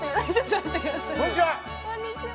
こんにちは！